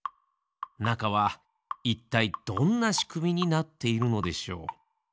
なかはいったいどんなしくみになっているのでしょう？